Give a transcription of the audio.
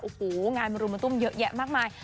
โอ้โหงานมารุมตุ้มเยอะแยะมากมาย